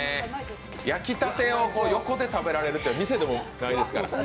焼きたてを横で食べられるって店でもないですから。